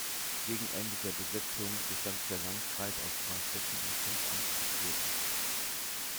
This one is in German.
Gegen Ende der Besetzung bestand der Landkreis aus zwei Städten und fünf Amtsbezirken.